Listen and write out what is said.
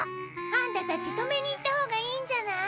アンタたち止めに行った方がいいんじゃない？